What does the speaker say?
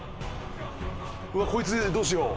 うわっこいつどうしよう。